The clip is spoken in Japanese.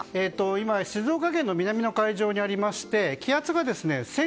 今、静岡県の南の海上にありまして気圧が１０００